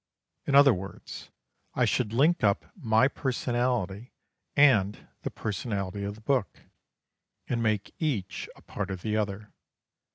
In other words, I should link up my personality and the personality of the book, and make each a part of the other.